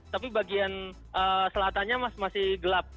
tapi bagian selatannya masih gelap